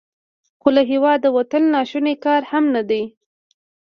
خو له هیواده وتل ناشوني کار هم نه دی.